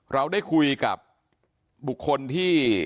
เราได้คุยกับบุคคลที่